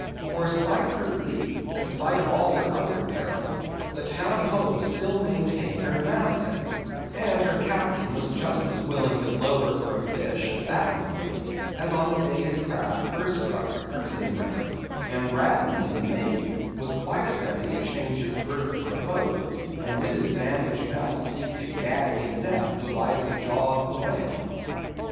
For, spite of her leak, and spite of all her other perils, the Town Ho still maintained her mast heads, and her captain was just as willing to lower for a fish that moment, as on the day his craft first struck the cruising ground; and Radney the mate was quite as ready to change his berth for a boat, and with his bandaged mouth seek to gag in death the vital jaw of the whale.